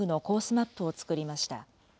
マップを作りました。